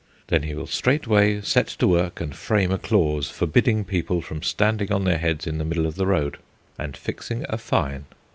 Then he will straightway set to work and frame a clause forbidding people from standing on their heads in the middle of the road, and fixing a fine.